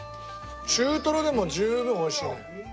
中トロでも十分おいしいね。